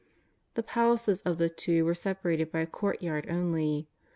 The palaces of the two were separated by a courtyard only.